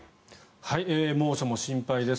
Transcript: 猛暑も心配です。